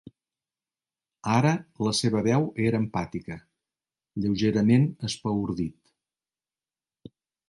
Ara la seva veu era empàtica, lleugerament espaordit.